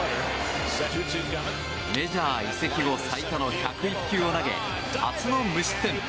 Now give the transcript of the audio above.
メジャー移籍後最多の１０１球を投げ初の無失点。